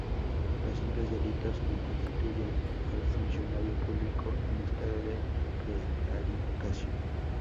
Los simples delitos no constituyen al funcionario público en estado de prevaricación.